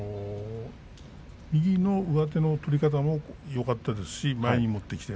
右の上手の取り方もよかったですし前に持ってきて。